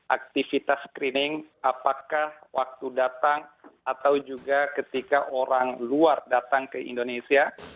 aktivitas screening apakah waktu datang atau juga ketika orang luar datang ke indonesia